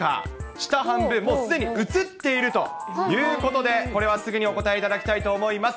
下半分、もうすでに映っているということで、これはすぐにお答えいただきたいと思います。